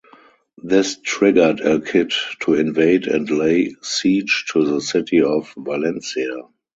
This triggered El Cid to invade and lay siege to the city of Valencia.